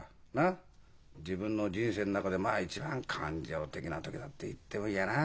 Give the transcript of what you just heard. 自分の人生の中でまあ一番感情的な時だって言ってもいいやな。